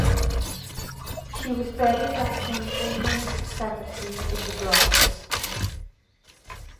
She was buried at Saint Raymond's Cemetery in the Bronx.